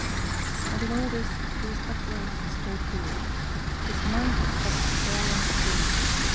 And in all this he was upright and straightforward. His mind was set square on its course.